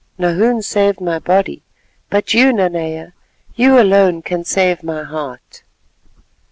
"Nahoon saved my body, but you, Nanea, you alone can save my heart."